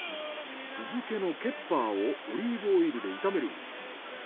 酢漬けのケッパーをオリーブオイルで炒める。